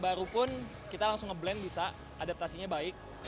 baru pun kita langsung nge blend bisa adaptasinya baik